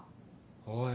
おい